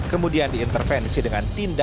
kemudian diintervensi dengan diperiksa